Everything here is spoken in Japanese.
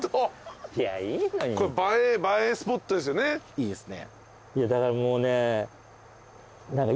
いいですよ。